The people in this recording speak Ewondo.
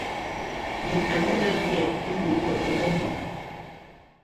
Minkana mia lədə bia enyiŋ bod bə nga nyiŋ.